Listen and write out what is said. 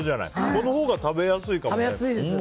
このほうが食べやすいかもね。